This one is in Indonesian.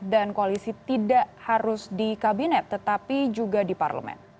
dan koalisi tidak harus di kabinet tetapi juga di parlemen